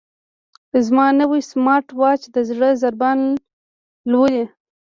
زما نوی سمارټ واچ د زړه ضربان لولي.